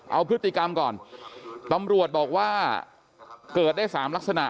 เอาพฤติกรรมก่อนตำรวจบอกว่าเกิดได้๓ลักษณะ